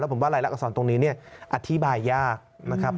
แล้วผมว่ารายละอักษรตรงนี้อธิบายยากนะครับ